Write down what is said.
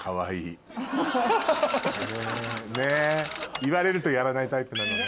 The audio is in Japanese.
ねっ言われるとやらないタイプなのね。